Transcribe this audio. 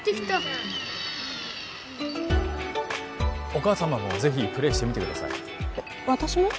お母様もぜひプレイしてみてください私も？